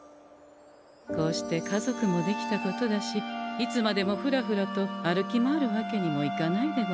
こうして家族もできたことだしいつまでもふらふらと歩き回るわけにもいかないでござんすね。